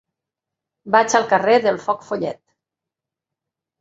Vaig al carrer del Foc Follet.